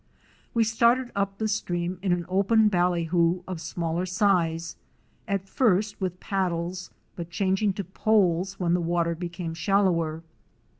We started up the stream in an open ballyhoo of smaller size, at first with paddles, but changing to poles when the water became shallower.